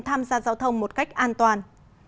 tham gia giao thông một cách an toàn